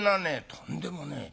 「とんでもねえ。